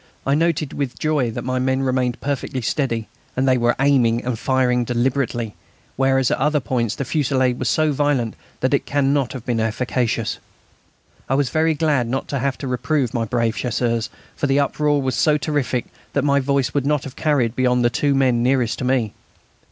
I noted with joy that my men remained perfectly steady; they were aiming and firing deliberately, whereas at other points the fusillade was so violent that it cannot have been efficacious. I was very glad not to have to reprove my brave Chasseurs, for the uproar was so terrific that my voice would not have carried beyond the two men nearest to me.